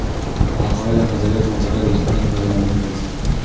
د عقائد او نظریاتو مطالعه د رښتینې پوهې لامل ګرځي.